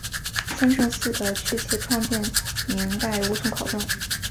三圣寺的确切创建年代无从考证。